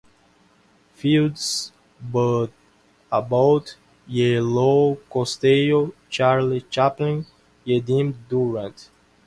Fields, Bud Abbott y Lou Costello, Charlie Chaplin, y Jimmy Durante.